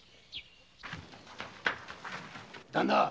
旦那。